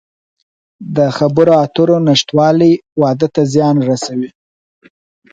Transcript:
د خبرو اترو نشتوالی واده ته زیان رسوي.